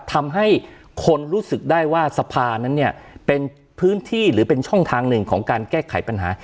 ทำให้คนรู้สึกได้ว่าสภานั้นเนี่ยเป็นพื้นที่หรือเป็นช่องทางหนึ่งของการแก้ไขปัญหา